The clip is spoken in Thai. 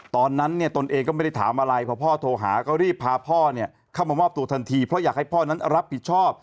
ตอนนั้นเนี่ยตนเองก็ไม่ได้ถามอะไร